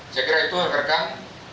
saya kira itu rekan